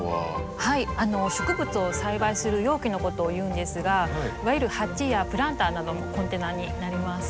植物を栽培する容器のことをいうんですがいわゆる鉢やプランターなどもコンテナになります。